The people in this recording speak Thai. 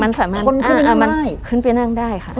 มันสามารถขึ้นไปนั่งได้ค่ะ